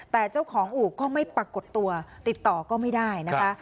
แต่เจ้าของอู่ก็ไม่ปรากฏตัวติดต่อก็ไม่ได้นะคะ